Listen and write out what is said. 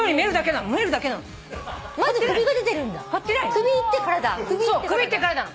首いって体なの。